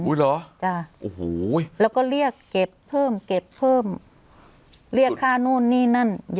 เหรอจ้ะโอ้โหแล้วก็เรียกเก็บเพิ่มเก็บเพิ่มเรียกค่านู่นนี่นั่น